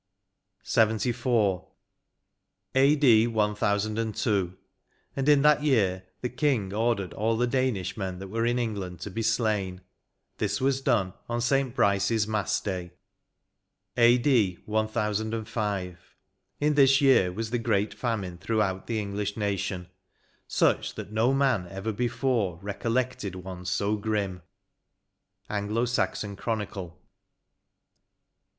L 2 148 LXXIV. " A.D. 1002, and in that year the King ordered all the Danish men that were in England to be slain ; this was done on St. Biice's Mass day." " A.D. 1006. In this year was the great famine throughout the English nation ; such, that no man ever before recollected one so grim." — Anglo Saxon Chronicle.